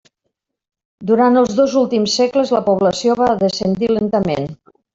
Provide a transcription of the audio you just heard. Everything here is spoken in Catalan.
Durant els dos últims segles, la població va descendir lentament.